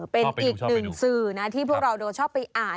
เป็นอีกหนึ่งสื่อนะที่พวกเราชอบไปอ่าน